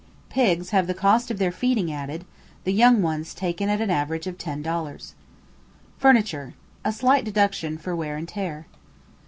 Pigs have the cost of their feeding added; the young ones taken at an average of ten dollars. Furniture. A slight deduction for wear and tear.